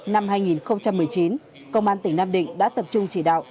năm hai nghìn một mươi chín công an tỉnh nam định đã tập trung chỉ đạo